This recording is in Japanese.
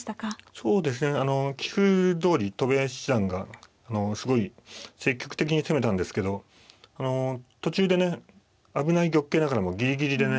そうですね棋風どおり戸辺七段がすごい積極的に攻めたんですけど途中でね危ない玉形ながらもギリギリでね